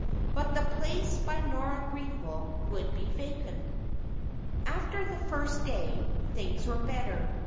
But the place by Nora Greenwell would be vacant. After the first day, things were better.